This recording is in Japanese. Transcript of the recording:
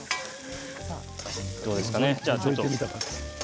どうですかね。